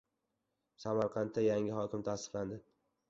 Samarqandga yangi hokim tasdiqlandi